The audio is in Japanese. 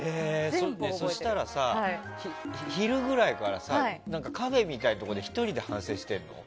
そしたらさ、昼ぐらいからカフェみたいなところで１人で反省してんの？